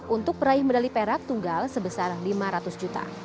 untuk peraih medali perak tunggal sebesar lima ratus juta